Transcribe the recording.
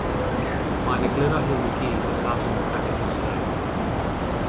Mae'n egluro hyn i gyd o safbwynt ffeministaidd.